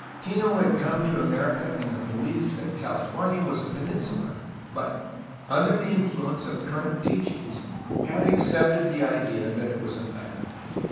Kino had come to America in the belief that California was a peninsula, but, under the influence of current teachings, had accepted the idea that it was an island.